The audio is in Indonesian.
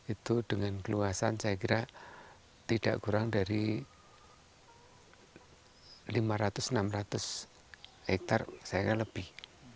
itu dengan keluasan saya kira tidak kurang dari lima ratus enam ratus hektare saya kira lebih